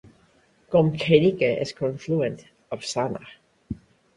Gomjenica is confluent of Sana.